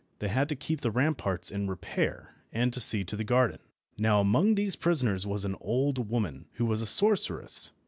They had to keep the ramparts in repair, and to see to the garden. Now among these prisoners was an old woman, who was a sorceress.